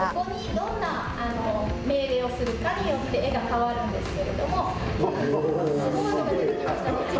どんな命令をするかによって絵が変わるんですけれども。